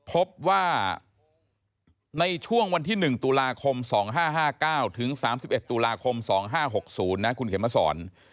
พบว่าในช่วงวันที่๑ตุลาคม๒๕๕๙ถึง๓๑ตุลาคม๒๕๖๐นะคุณเข็มมาสอน